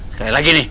sekali lagi nih